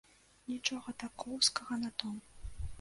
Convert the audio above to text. Нічога такоўскага на том.